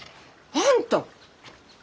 あんた！